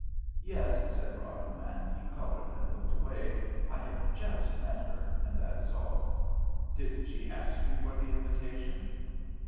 "Yes," said Broadhem, and he coloured and looked away; "I have just met her, and that is all. Did she ask you for the invitation?"